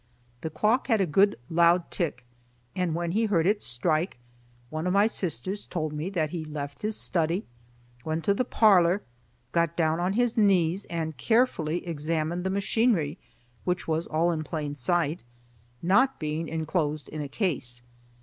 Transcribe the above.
The clock had a good loud tick, and when he heard it strike, one of my sisters told me that he left his study, went to the parlor, got down on his knees and carefully examined the machinery, which was all in plain sight, not being enclosed in a case.